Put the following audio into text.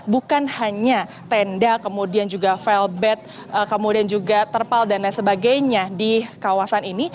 bukan hanya tenda kemudian juga file bed kemudian juga terpal dan lain sebagainya di kawasan ini